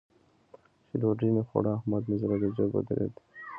چې ډوډۍ مې خوړه؛ احمد مې زړه ته جګ ودرېد.